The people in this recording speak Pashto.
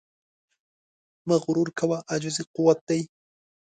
مه غرور کوه، عاجزي قوت دی.